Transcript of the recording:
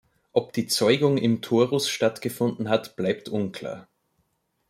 Ob die Zeugung im Torus stattgefunden hat, bleibt unklar.